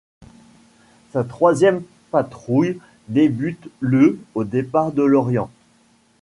Sa troisième patrouille débute le au départ de Lorient.